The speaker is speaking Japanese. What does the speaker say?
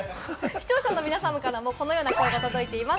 視聴者の皆さまからもこのような声が届いています。